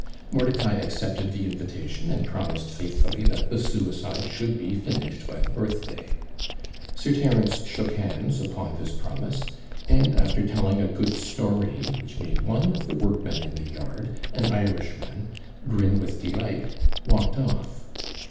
Mordicai accepted the invitation, and promised faithfully that the SUICIDE should be finished by the birthday. Sir Terence shook hands upon this promise, and, after telling a good story, which made one of the workmen in the yard an Irishman grin with delight, walked off.